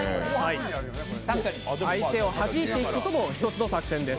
相手をはじいていくことも一つの作戦です。